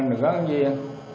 người gái thằng diên